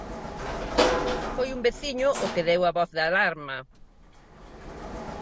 Foi un veciño o que deu a voz de alarma.